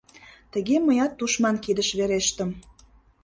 Тыге мыят тушман кидыш верештым.